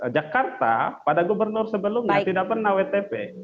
jakarta pada gubernur sebelumnya tidak pernah wtp